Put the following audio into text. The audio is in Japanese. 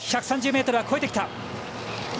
１３０ｍは越えてきた。